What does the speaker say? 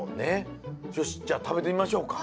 よしじゃあ食べてみましょうか。